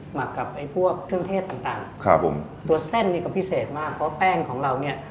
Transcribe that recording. หมักกับไอ้พวกเครื่องเทศต่างต่างครับผมตัวเส้นนี่ก็พิเศษมากเพราะแป้งของเราเนี่ย